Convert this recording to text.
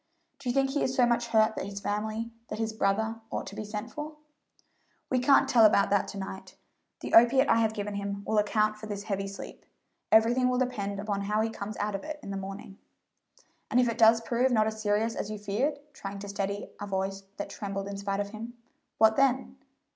Do you think he is so much hurt that his family that his brother ought to be sent for?" "We can't tell about that to night. The opiate I have given him will account for this heavy sleep. Everything will depend upon how he comes out of it in the morning." "And if it does prove not as serious as you feared" trying to steady a voice that trembled in spite of him "what then?"